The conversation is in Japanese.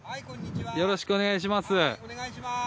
よろしくお願いします。